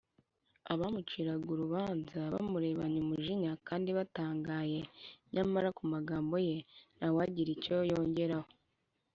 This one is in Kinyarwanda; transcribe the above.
abamuciraga urubanza bamurebanye umujinya kandi batangaye, nyamara ku magambo Ye nta wagiraga icyo yongeraho.